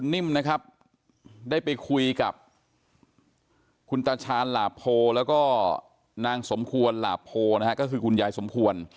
นี่คุณตาชานนะครับทั้งสองคนก็ฟังการแถลงเกี่ยวกัน